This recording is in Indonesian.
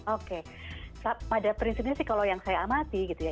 oke pada prinsipnya sih kalau yang saya amati gitu ya